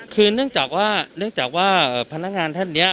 คือนึกจากว่าพนักงานแท่งเนี้ย